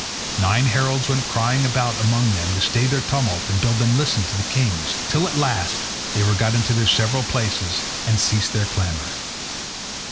Nine heralds went crying about among them to stay their tumult and bid them listen to the kings, till at last they were got into their several places and ceased their clamour.